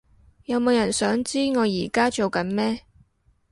有冇人想知我而家做緊咩？